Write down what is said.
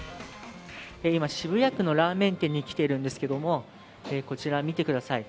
今、渋谷区のラーメン店に来ているんですけれどもこちら、見てください。